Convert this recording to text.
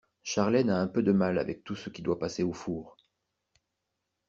Charlène a un peu de mal avec tout ce qui doit passer au four.